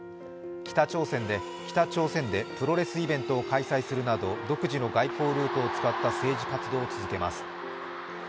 北朝鮮でプロレスイベントを開催するなど独自の外交ルートを使った政治活動を続けます。